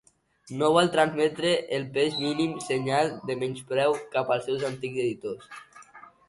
No vol transmetre el més mínim senyal de menyspreu cap als seus antics editors.